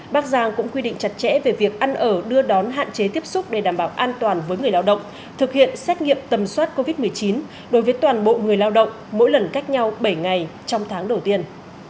bác giang cũng quy định chặt chẽ về việc ăn ở đưa đón hạn chế tiếp xúc để đảm bảo an toàn với người lao động thực hiện xét nghiệm tầm soát covid một mươi chín đối với toàn bộ người lao động mỗi lần cách nhau bảy ngày trong tháng đầu tiên